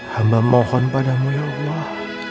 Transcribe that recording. hamba mohon padamu ya allah